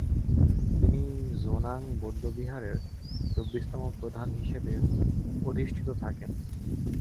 তিনি জো-নাং বৌদ্ধবিহারের চব্বিশতম প্রধান হিসেবে অধিষ্ঠিত থাকেন।